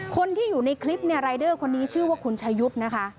คนที่อยู่ในคลิปเนี่ยรายเดอร์คนนี้ชื่อว่าคุณชายุทธ์นะคะ